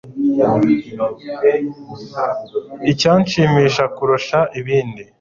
icyanshimisha kurusha ibindi